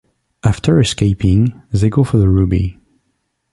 After escaping, they go for the Ruby.